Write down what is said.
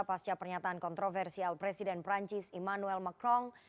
pasca pernyataan kontroversial presiden perancis emmanuel macron